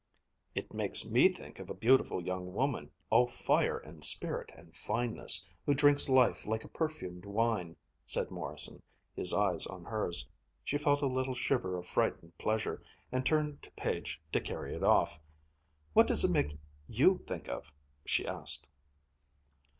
"It makes me think of a beautiful young woman, all fire and spirit, and fineness, who drinks life like a perfumed wine," said Morrison, his eyes on hers. She felt a little shiver of frightened pleasure, and turned to Page to carry it off, "What does it make you think of?" she asked.